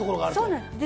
そうなんです。